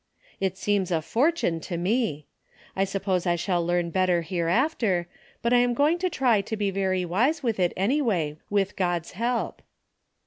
It seems a fortune to me. I suppose I shall learn better hereafter, but I am going to try to be very wise with it anyway, with God's help.